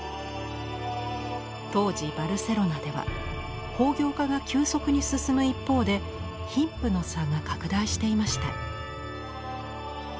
当時バルセロナでは工業化が急速に進む一方で貧富の差が拡大していました。